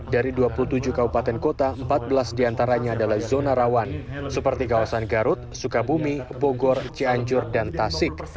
dari dua puluh tujuh kabupaten kota empat belas diantaranya adalah zona rawan seperti kawasan garut sukabumi bogor cianjur dan tasik